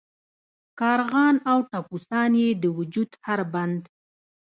کارغان او ټپوسان یې د وجود هر بند.